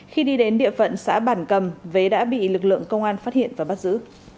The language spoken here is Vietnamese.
khi đi đến địa phận xã bản cầm vế đã bị lực lượng công an phát hiện và bắt giữ